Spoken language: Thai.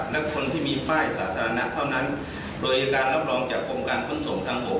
และคนที่มีป้ายสาธารณะเท่านั้นโดยการรับรองจากกรมการขนส่งทางบก